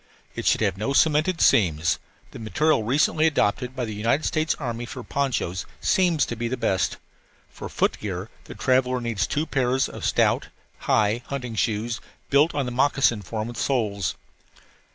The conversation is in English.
It should have no cemented seams; the material recently adopted by the United States Army for ponchos seems to be the best. For footgear the traveller needs two pairs of stout, high hunting shoes, built on the moccasin form with soles.